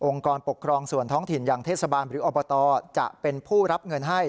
กรปกครองส่วนท้องถิ่นอย่างเทศบาลหรืออบตจะเป็นผู้รับเงินให้